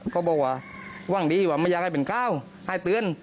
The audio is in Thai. เขาบอกว่าหวังดีว่าไม่อยากให้เป็นก้าวให้เตือน